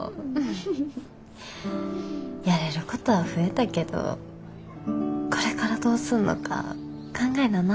やれることは増えたけどこれからどうすんのか考えなな。